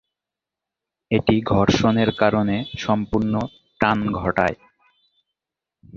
এটি ঘর্ষণের কারণে সম্পূর্ণ টান ঘটায়।